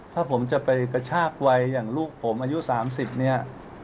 ถ้าผมจะไปกระชากวัยอย่างลูกผมอายุ๓๐เนี่ย